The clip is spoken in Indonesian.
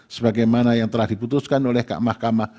sebagaimana yang telah diputuskan oleh kak mahkamah